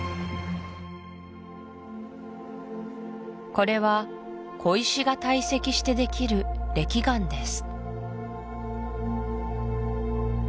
これは小石が堆積してできる礫岩です